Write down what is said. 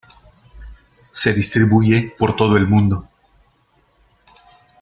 Se distribuye por todo el mundo.